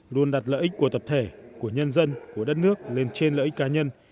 luôn đặt lợi ích của tập thể của nhân dân của đất nước lên trên lợi ích cá nhân